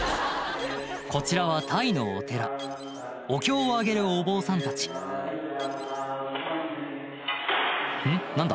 こちらはタイのお寺お経を上げるお坊さんたちうん？何だ？